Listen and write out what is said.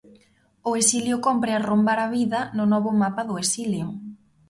O exilio Cómpre arrombar a vida no novo mapa do exilio.